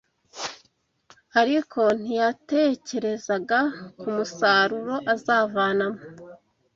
ariko ntiyatekerezaga ku musaruro azavanamo